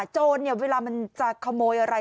โจรเนี่ยเวลามันจะขโมยอะไร